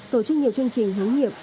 tổ chức nhiều chương trình hướng nghiệp